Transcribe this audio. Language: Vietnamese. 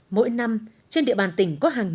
mỗi năm trên địa bàn tỉnh có hàng triệu đồng